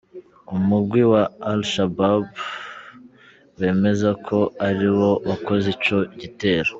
Umugwi wa Al Shabab wemeza ko ari wo wakoze ico gitero.